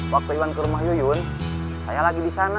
waktu iwan ke rumah yuyun saya lagi di sana